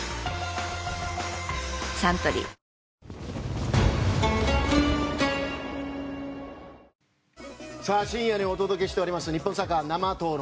サントリー深夜にお届けしております日本サッカー生討論。